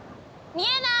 見えない？